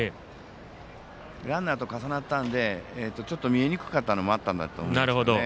ランナーと重なったのでちょっと見えにくかったのもあると思うんですけど。